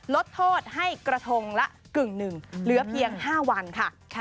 ลดโทษให้กระทงละกึ่งหนึ่งเหลือเพียง๕วันค่ะ